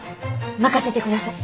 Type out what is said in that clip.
任せてください！